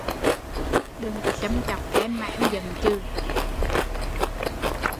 Đừng châm chọc em giận chừ